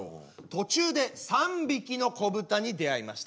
途中で３匹の子豚に出会いました」。